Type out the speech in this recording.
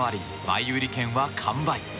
前売り券は完売。